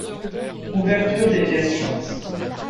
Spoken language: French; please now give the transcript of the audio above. Ouverture des pièces jointes.